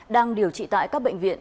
đang điều trị tại các bệnh viện